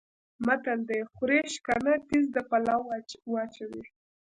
متل دی: خوري شکنه تیز د پولاو اچوي.